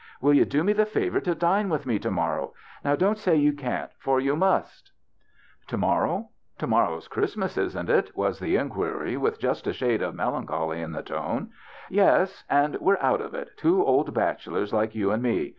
Will you do me the favor to dine with me to morrow ? Now don't say you can't, for you must." " To morrow ? To morrow's Christmas, 30 THE BACHELORS CHRISTMAS isn't it ?" was the inquiry, with just a shade of melancholy in the tone. " Yes. And we're out of it — two old bach elors like you and me.